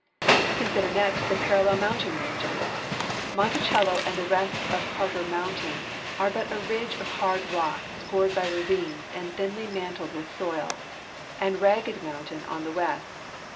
Consider ne.xt the parallel mountain ranges: Monticello and the rest of Carter mountain are but a ridge of hard rock scored b}' ravines and thinly mantled with soil, and Ragged mountain on the west.